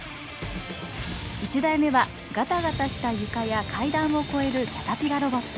１台目はがたがたした床や階段を越えるキャタピラロボット。